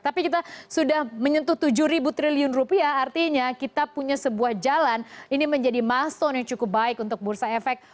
tapi kita sudah menyentuh tujuh triliun rupiah artinya kita punya sebuah jalan ini menjadi milestone yang cukup baik untuk bursa efek